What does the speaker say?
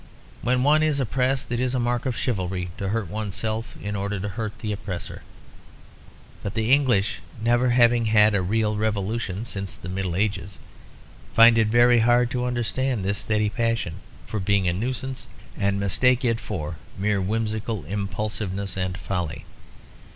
When one is oppressed it is a mark of chivalry to hurt oneself in order to hurt the oppressor. But the English (never having had a real revolution since the Middle Ages) find it very hard to understand this steady passion for being a nuisance, and mistake it for mere whimsical impulsiveness and folly.